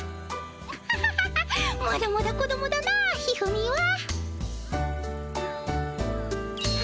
ハハハハまだまだ子どもだなあ一二三は。あ。